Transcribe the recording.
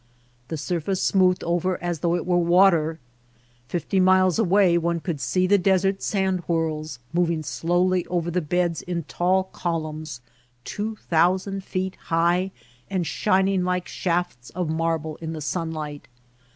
The surface smoothed over as though it were water. Fifty miles away one could see the desert sand whirls moving slowly over the beds in tall columns two thousand feet high and shining like shafts of marble in the sunlight.